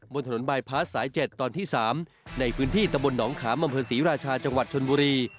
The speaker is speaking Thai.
บนถนนบายพาสสาย๗ตอนที่๓ในพื้นที่ตะบนหนองขามอำเภอศรีราชาจังหวัดชนบุรี